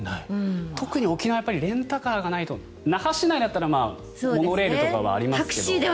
特に沖縄はレンタカーがないと那覇市内だったらモノレールとかはありますけど。